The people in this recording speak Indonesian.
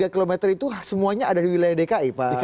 tiga km itu semuanya ada di wilayah dki pak